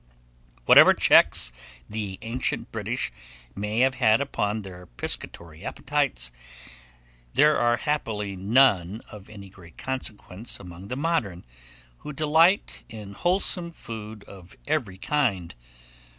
Whatever checks the ancient British may have had upon their piscatory appetites, there are happily none of any great consequence upon the modern, who delight in wholesome food of every kind.